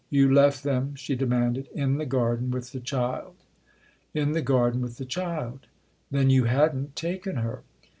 You left them," she demanded, " in the garden with the child ?"" In the garden with the child." " Then you hadn't taken her